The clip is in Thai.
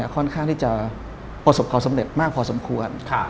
ค่อนข้างที่จะประสบความสำเร็จมากพอสมควร